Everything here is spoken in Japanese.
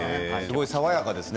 爽やかですね。